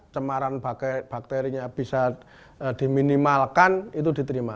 cemaran bakterinya bisa diminimalkan itu diterima